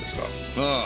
ああ。